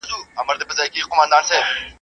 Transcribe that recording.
o خائن، خائف وي.